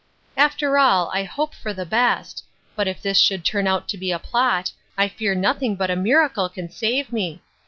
After all, I hope the best: but if this should turn out to be a plot, I fear nothing but a miracle can save me.